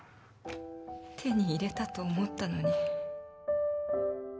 「手に入れたと思ったのに」